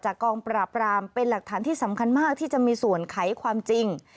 กองปราบรามเป็นหลักฐานที่สำคัญมากที่จะมีส่วนไขความจริง